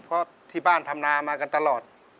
เพราะที่บ้านทำนามากันตลอด